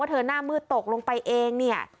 เธอหน้ามืดตกลงไปเองเนี่ย